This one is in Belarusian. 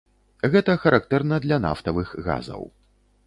Гэта характэрна для нафтавых газаў.